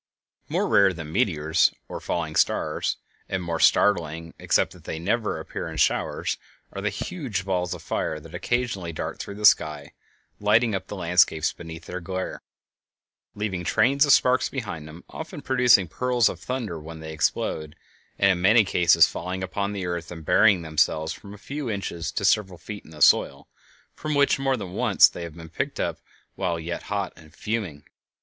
More rare than meteors or falling stars, and more startling, except that they never appear in showers, are the huge balls of fire which occasionally dart through the sky, lighting up the landscapes beneath with their glare, leaving trains of sparks behind them, often producing peals of thunder when they explode, and in many cases falling upon the earth and burying themselves from a few inches to several feet in the soil, from which, more than once, they have been picked up while yet hot and fuming.